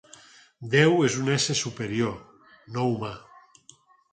Déu és un ésser superior, no humà.